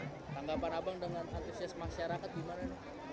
tanggapan abang dengan antusias masyarakat gimana